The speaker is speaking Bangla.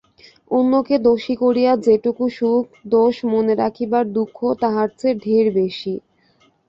অন্যকে দোষী করিয়া যেটুকু সুখ, দোষ মনে রাখিবার দুঃখ তাহার চেয়ে ঢের বেশি।